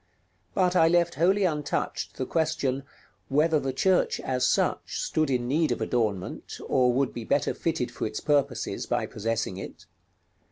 But I left wholly untouched the question: whether the church, as such, stood in need of adornment, or would be better fitted for its purposes by possessing it.